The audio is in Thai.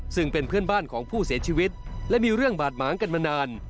ซึ่งเป็นเพื่อนบ้านของผู้เสียชีวิตและมีเรื่องบาดหมางกันมานาน